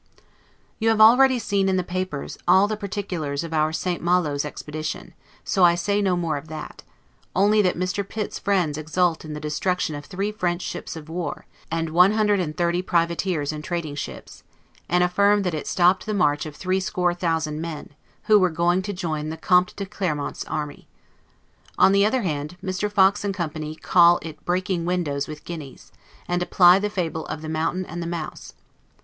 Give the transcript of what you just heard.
You have already seen, in the papers, all the particulars of our St. Malo's expedition, so I say no more of that; only that Mr. Pitt's friends exult in the destruction of three French ships of war, and one hundred and thirty privateers and trading ships; and affirm that it stopped the march of threescore thousand men, who were going to join the Comte de Clermont's army. On the other hand, Mr. Fox and company call it breaking windows with guineas; and apply the fable of the Mountain and the Mouse.